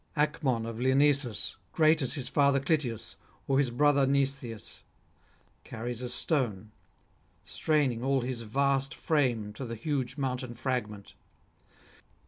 Acmon of Lyrnesus, great as his father Clytius, or his brother Mnestheus, carries a stone, straining all his vast frame to the huge mountain fragment.